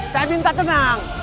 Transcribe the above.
saya minta tenang